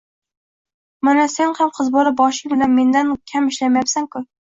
Mana, sen ham qiz bola boshing bilan mendan kam ishlamayapsan-ku